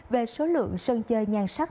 về số lượng sân chơi nhan sắc